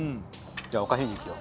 じゃおかひじきを。